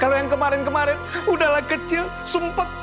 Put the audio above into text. kalau yang kemarin kemarin udahlah kecil sumpek